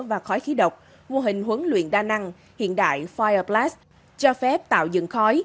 và khói khí độc mô hình huấn luyện đa năng hiện đại fire plas cho phép tạo dựng khói